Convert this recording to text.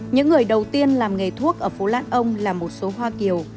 những người đầu tiên làm nghề thuốc ở phố lãn ông là một số hoa kiều